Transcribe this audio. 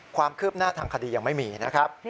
ความคืบหน้าทางคดียังไม่มีนะครับ